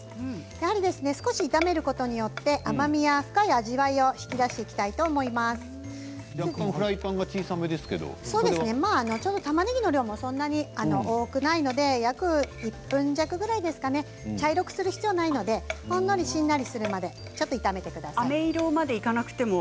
やはり少し炒めることで甘みや深い味わいを引き出して若干フライパンがたまねぎの量もそんなに多くないので約１分弱ぐらいですかね茶色くする必要はないのでほんのりしんなりするくらいまであめ色までいかなくても。